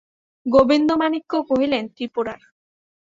গোবিন্দমাণিক্য কহিলেন, ত্রিপুরার।